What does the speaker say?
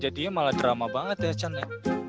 jadi malah drama banget ya chan ya